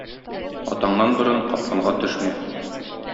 Атаңнан борын капкынга төшмә!